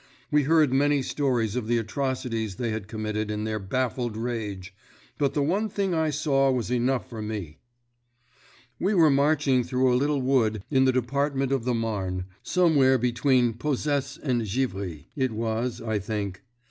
We heard many stories of the atrocities they had committed in their baffled rage, but the one thing I saw was enough for me. "We were marching through a little wood in the Department of the Marne—somewhere between Posesse and Givry, it was, I think.